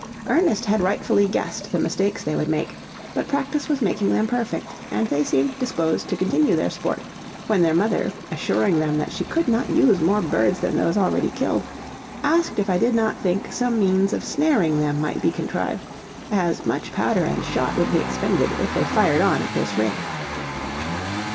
Ernest had rightfully guessed the mistakes they would make, but practice was making them perfect, and they seemed disposed to continue their sport, when their mother, assuring them that she could not use more birds than those already killed, asked if I did not think some means of snaring them might be contrived, as much powder and shot would be expended if they fired on at this rate.